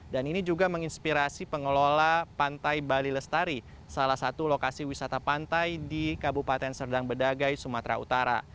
ini juga menginspirasi pengelola pantai bali lestari salah satu lokasi wisata pantai di kabupaten serdang bedagai sumatera utara